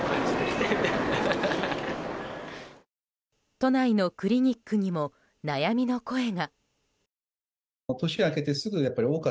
都内のクリニックにも悩みの声が。